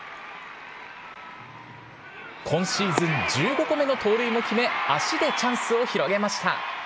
今シーズン１５個目の盗塁も決め、足でチャンスを広げました。